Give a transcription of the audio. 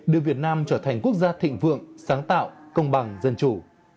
đưa việt nam trở thành quốc gia thịnh vượng sáng tạo công bằng dân chủ